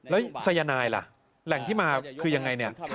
แล้วสายนายล่ะแหล่งที่มาคือยังไงเนี่ย